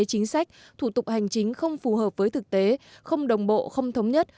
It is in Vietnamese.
chính sách thủ tục hành chính không phù hợp với thực tế không đồng bộ không thống nhất